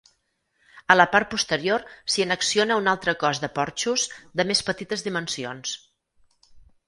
A la part posterior s'hi annexiona un altre cos de porxos de més petites dimensions.